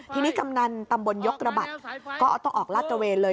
ทีนี้กำนันตำบลยกระบัดก็ต้องออกลาดตระเวนเลย